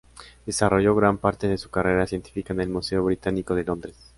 Desarrolló gran parte de su carrera científica en el Museo Británico de Londres.